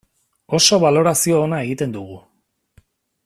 Oso balorazio ona egiten dugu.